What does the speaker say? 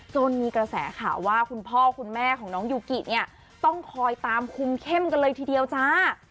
มีกระแสข่าวว่าคุณพ่อคุณแม่ของน้องยูกิเนี่ยต้องคอยตามคุมเข้มกันเลยทีเดียวจ้า